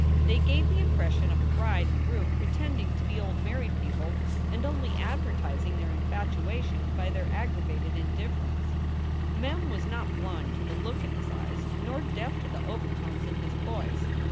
They gave the impression of a bride and groom pretending to be old married people and only advertising their infatuation by their aggra vated indifference. Mem was not blind to the look in his eyes, nor deaf to the overtones in his voice.